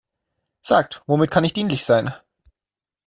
Sagt, womit kann ich dienlich sein?